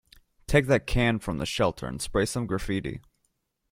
Take that can from the shelter and spray some graffiti.